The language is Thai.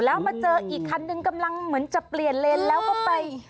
แล้วมาเจออีกคันนึงกำลังเหมือนจะเปลี่ยนเลนแล้วก็ไป